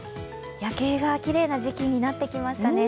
夜景がきれいな時期になってきましたね。